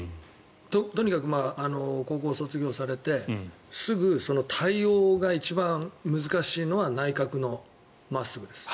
とにかく高校卒業されてすぐ対応が一番難しいのは内角の真っすぐです。